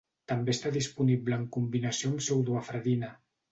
També està disponible amb combinació amb pseudoefedrina.